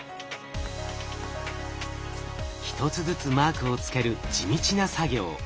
一つずつマークをつける地道な作業。